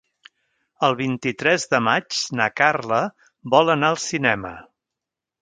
El vint-i-tres de maig na Carla vol anar al cinema.